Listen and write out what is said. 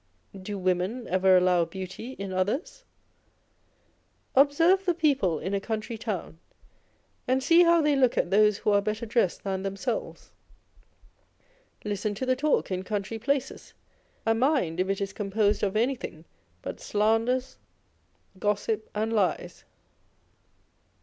Do women ever allow beauty in others ? Observe the people in a country town, and see how they look at those who are better dressed than themselves ; listen to the talk in country places, and mind if it is composed of anything but slanders, gossip, and lies.